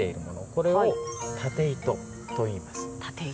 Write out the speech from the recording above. これを縦糸といいます。